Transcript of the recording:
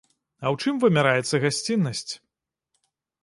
А ў чым вымяраецца гасціннасць?